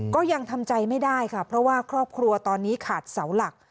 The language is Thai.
ก็ยังทำใจไม่ได้ค่ะเพราะว่าครอบครัวตอนนี้ขาดเสาหลัก